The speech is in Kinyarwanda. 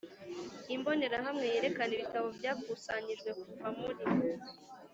Imbonerahamwe yerekana ibitabo byakusanijwe kuva muri